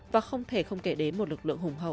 và không thể không kể đến một lực lượng hùng hậu